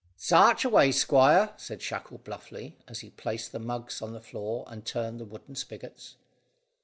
"Sarch away, squire," said Shackle bluffly, as he placed the mugs on the floor and turned the wooden spigots.